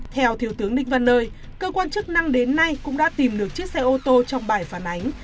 theo thiếu tướng ninh văn nơi cơ quan chức năng đến nay cũng đã tìm được chiếc xe ô tô trong bài phản ánh